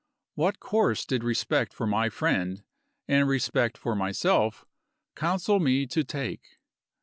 What course did respect for my friend, and respect for myself, counsel me to take?